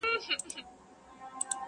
غوټۍ زمولیږي شبنم پر ژاړي -